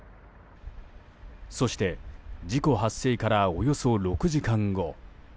そして事故発生からおよそ６時間後。